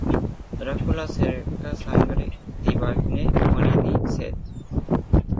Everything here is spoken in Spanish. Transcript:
Dracula cerca sangue di vergine e…morì di sete!!!